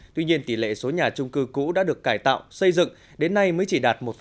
tuy nhiên tỷ lệ số nhà trung cư cũ đã được cải tạo xây dựng đến nay mới chỉ đạt một